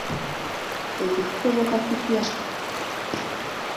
Ekyo kisoboka kitya?